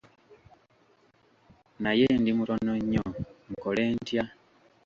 Naye ndi mutono nnyo, nkole ntya?